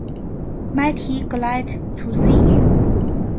Mighty glad to see you.